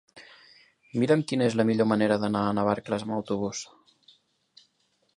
Mira'm quina és la millor manera d'anar a Navarcles amb autobús.